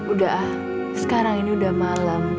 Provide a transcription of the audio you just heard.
udah ah sekarang ini udah malam